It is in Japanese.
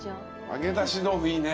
揚げ出し豆腐いいね。